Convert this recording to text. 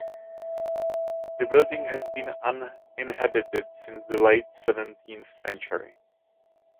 The building has been uninhabited since the late seventeenth century.